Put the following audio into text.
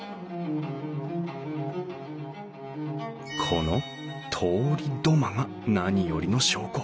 この通り土間が何よりの証拠。